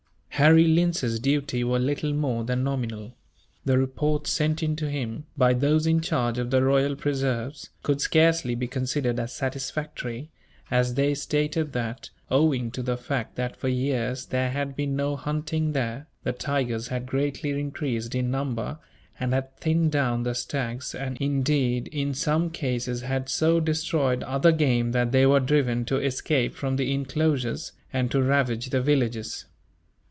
Harry Lindsay's duties were little more than nominal. The reports sent in to him, by those in charge of the royal preserves, could scarcely be considered as satisfactory; as they stated that, owing to the fact that for years there had been no hunting there, the tigers had greatly increased in number, and had thinned down the stags and, indeed, in some cases had so destroyed other game that they were driven to escape from the enclosures, and to ravage the villages.